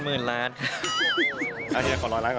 มีงานนี้ทำเอานุนิวอดปลื้มใจไม่ได้จริง